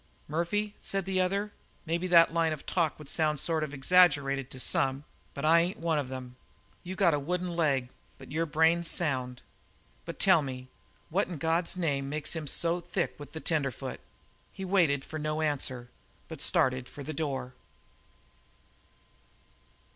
"Murphy," said the other, "maybe that line of talk would sound sort of exaggerated to some, but I ain't one of them. You've got a wooden leg, but your brain's sound. But tell me, what in God's name makes him so thick with the tenderfoot?" He waited for no answer, but started for the door.